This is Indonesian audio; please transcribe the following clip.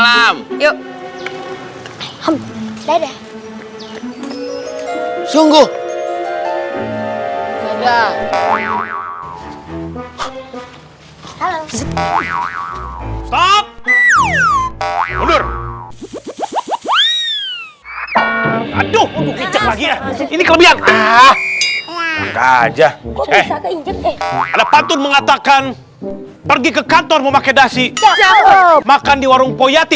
assalamualaikum waalaikumsalam yuk hambedah sungguh